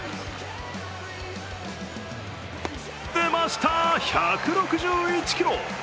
出ました、１６１キロ！